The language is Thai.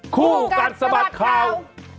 คู่กัดสะบัดข่าว